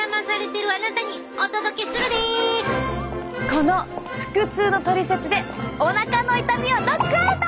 この腹痛のトリセツでおなかの痛みをノックアウト！